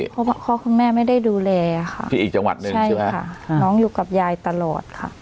เพราะพ่อคุณแม่ไม่ได้ดูแลค่ะที่อีกจังหวัดหนึ่งใช่ไหมค่ะน้องอยู่กับยายตลอดค่ะ